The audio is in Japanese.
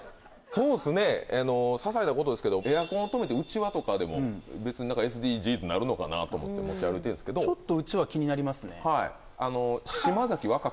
そうですねささいなことですけどエアコンを止めてうちわとかでも別に何かＳＤＧｓになるのかなと思って持ち歩いてるんですけどちょっとうちわ気になりますね